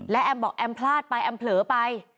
แล้วแอมป์บอกแอมป์พลาดไปแอมป์เผลอไป